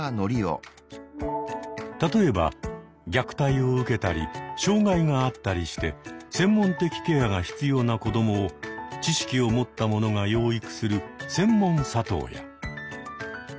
例えば虐待を受けたり障害があったりして専門的ケアが必要な子どもを知識を持った者が養育する「専門里親」。